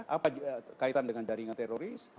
apa kaitan dengan jaringan teroris